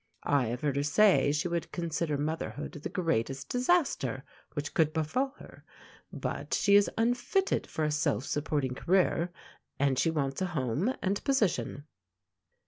I have heard her say she would consider motherhood the greatest disaster which could befall her. But she is unfitted for a self supporting career, and she wants a home and position.